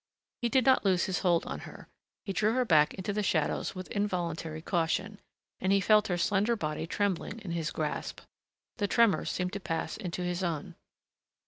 He did not lose his hold on her. He drew her back into the shadows with involuntary caution, and he felt her slender body trembling in his grasp. The tremors seemed to pass into his own.